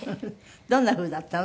どんな風だったの？